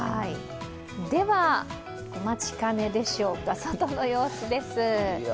では、お待ちかねでしょうか、外の様子です。